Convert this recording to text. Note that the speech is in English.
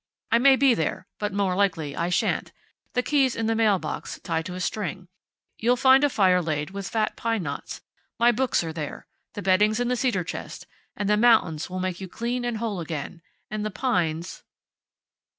I may be there, but more likely I shan't. The key's in the mail box, tied to a string. You'll find a fire laid with fat pine knots. My books are there. The bedding's in the cedar chest. And the mountains will make you clean and whole again; and the pines..."